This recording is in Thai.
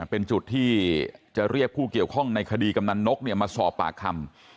เป็นจุดที่จะเรียกผู้เกี่ยวข้องในคดีกำนันนกมาสอบปากคำ